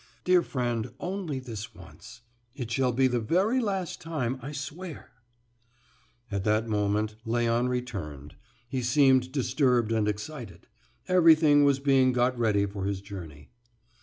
"Dear friend only this once. It shall be the very last time, I swear!" At that moment, Léon returned. He seemed disturbed and excited. Everything was being got ready for his journey.